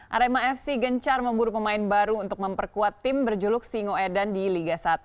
arema fc gencar memburu pemain baru untuk memperkuat tim berjuluk singoedan di liga satu